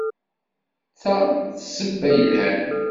Ta d ssebba yelhan.